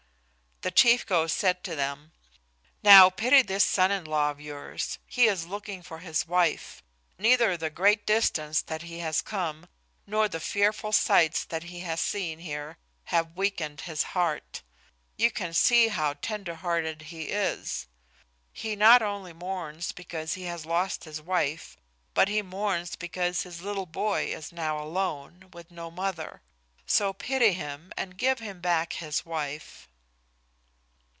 The chief ghost said to them, "Now pity this son in law of yours. He is looking for his wife. Neither the great distance that he has come nor the fearful sights that he has seen here have weakened his heart. You can see how tender hearted he is. He not only mourns because he has lost his wife, but he mourns because his little boy is now alone, with no mother; so pity him and give him back his wife."